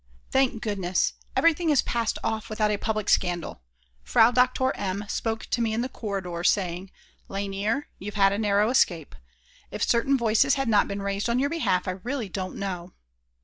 Thank goodness, everything has passed off without a public scandal. Frau Doktor M. spoke to me in the corridor, saying: "Lainer, you've had a narrow escape. If certain voices had not been raised on your behalf, I really don't know